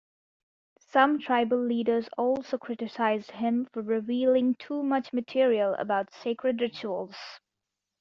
Some tribal leaders also criticized him for revealing too much material about sacred rituals.